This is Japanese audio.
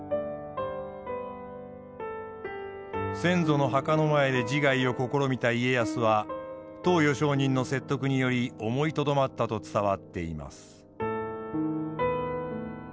先祖の墓の前で自害を試みた家康は登譽上人の説得により思いとどまったと伝わっています。